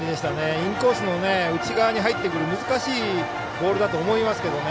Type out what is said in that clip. インコースの内側に入ってくる難しいボールだと思いますけどね。